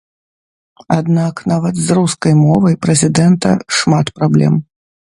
Аднак нават з рускай мовай прэзідэнта шмат праблем.